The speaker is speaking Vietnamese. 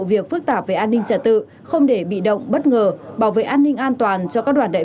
việc phức tạp về an ninh trả tự không để bị động bất ngờ bảo vệ an ninh an toàn cho các đoàn đại